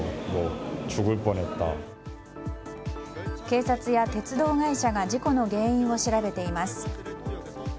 警察や鉄道会社が事故の原因を調べています。